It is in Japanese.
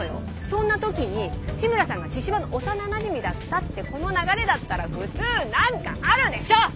そんな時に志村さんが神々の幼なじみだったってこの流れだったら普通何かあるでしょ！